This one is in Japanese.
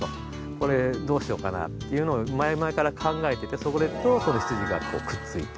これどうしようかなというのを前々から考えててそこで羊がくっついて。